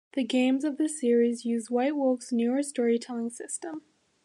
The games of this series use White Wolf's newer Storytelling System.